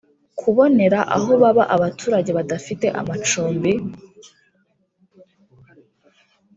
kubonera aho baba abaturage badafite amacumbi,